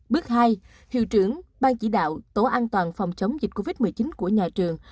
bước hai hiệu trưởng ban chỉ đạo tổ an toàn phòng chống dịch covid một mươi chín của nhà trường